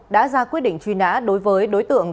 đã ra quyết định truy nã đối với đối tượng